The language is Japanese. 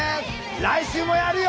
来週もやるよ！